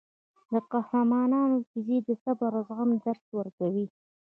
د قهرمانانو کیسې د صبر او زغم درس ورکوي.